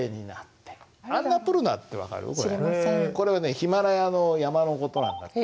ヒマラヤの山の事なんだって。